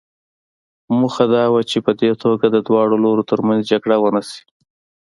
موخه دا وه چې په دې توګه د دواړو لورو ترمنځ جګړه ونه شي.